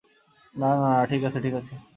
না, না, না, ঠিক আছে, ঠিক আছে।